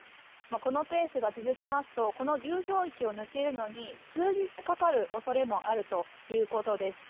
このペースが続きますとこの流氷域を抜けるのに数日かかる恐れもあるということです。